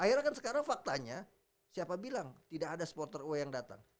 akhirnya kan sekarang faktanya siapa bilang tidak ada supporter u yang datang